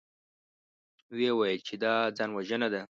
ويې ويل چې دا ځانوژنه ده.